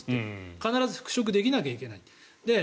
必ず復職できなきゃいけない。